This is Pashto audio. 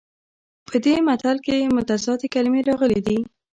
په دې متل کې متضادې کلمې راغلي دي